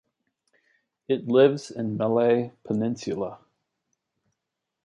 It lives in Malay Peninsula.